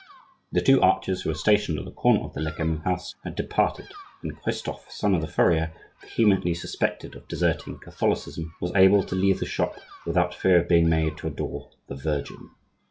The two archers who were stationed at the corner of the Lecamus house had departed, and Cristophe, son of the furrier, vehemently suspected of deserting Catholicism, was able to leave the shop without fear of being made to adore the Virgin.